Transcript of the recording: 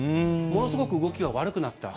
ものすごく動きが悪くなった。